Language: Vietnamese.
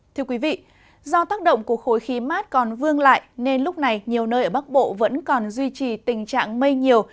thưa quý vị do tác động của khối khí mát còn vương lại nên lúc này nhiều nơi ở bắc bộ vẫn còn duy trì tình trạng mây nhiều